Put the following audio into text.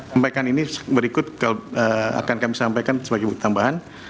sampaikan ini berikut akan kami sampaikan sebagai bukti tambahan